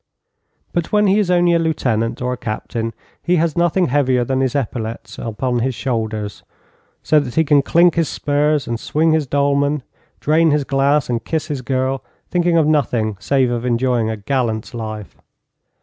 But when he is only a lieutenant or a captain he has nothing heavier than his epaulettes upon his shoulders, so that he can clink his spurs and swing his dolman, drain his glass and kiss his girl, thinking of nothing save of enjoying a gallant life.